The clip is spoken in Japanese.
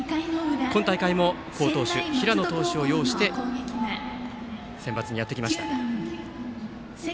今大会も好投手平野投手を擁してセンバツにやってきました。